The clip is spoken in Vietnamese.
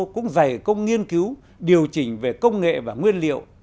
cũng dày công nghiên cứu điều chỉnh về công nghệ và nguyên liệu